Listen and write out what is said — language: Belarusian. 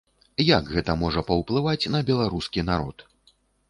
Як гэта можа паўплываць на беларускі народ?